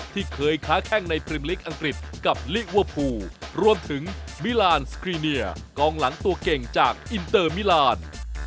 ที่เคยค้าแข้งในพรีมลิกอังกฤษกับลิเวอร์พูลรวมถึงมิลานสครีเนียกองหลังตัวเก่งจากอินเตอร์มิลาน